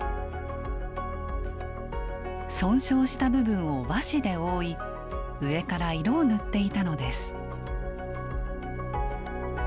損傷した部分を和紙で覆い上から色を塗っていたのです。